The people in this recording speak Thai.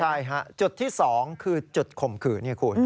ใช่ค่ะจุดที่๒คือจุดข่มขื่อ